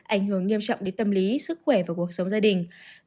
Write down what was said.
ảnh hưởng nghiêm trọng đến tâm lý sức khỏe và cuộc sống gia đình